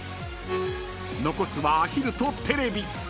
［残すはアヒルとテレビ］